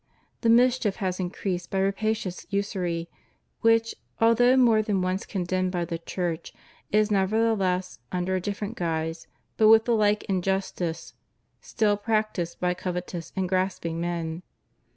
The mischief has been increased by rapacious usury, which, although more than once condemned by the Church, is nevertheless, under a different guise, but with the like injustice, still practised by covetous and grasping men.